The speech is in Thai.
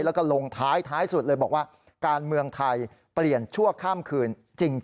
แล้วก็ลงท้ายสุดเลยบอกว่าการเมืองไทยเปลี่ยนชั่วข้ามคืนจริง